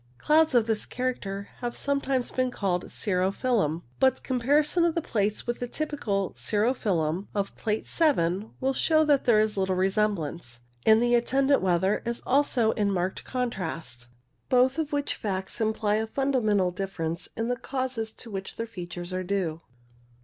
Clouds of this character have sometimes been called cirro filum, but a com parison of the plates with the typical cirro filum of Plate 7 will show that there is little resemblance ; and the attendant weather is also in marked con trast, both of which facts imply a fundamental differ ence in the causes to which their features are due.